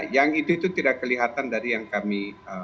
yang itu tidak kelihatan dari yang kami